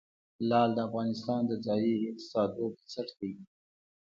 لعل د افغانستان د ځایي اقتصادونو بنسټ دی.